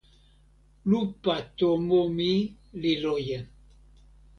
lupa tomo mi li loje.